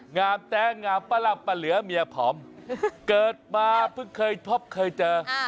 งามแต๊งามปะหลับปะเหลือเมียผอมเกิดมาเพิ่งเคยพบเคยเจอ